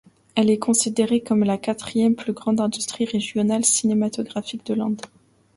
Elle est considérée comme la quatrième plus grande industrie régionale cinématographique de l'Inde.